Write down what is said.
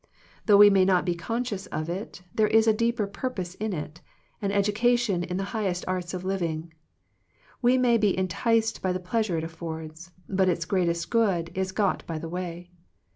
Though we may not be conscious of it, there is a deeper purpose in it, an education in the highest arts of living. We may be en ticed by the pleasure it affords, but its greatest good is got by the way.